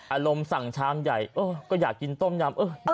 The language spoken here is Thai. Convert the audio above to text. อารมณ์สั่งชามใหญ่ก็อยากกินต้มยำ